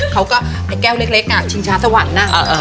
เขาก็ไอ้แก้วเล็กอะชิงชาสวรรค์นะ